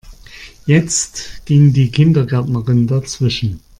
Jetzt ging die Kindergärtnerin dazwischen.